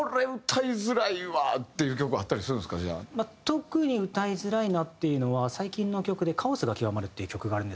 特に歌いづらいなっていうのは最近の曲で『カオスが極まる』っていう曲があるんですけど。